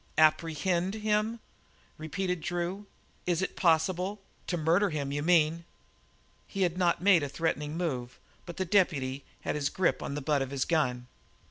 "Apprehend him?" repeated Drew. "Is it possible? To murder him, you mean!" He had not made a threatening move, but the deputy had his grip on the butt of his gun.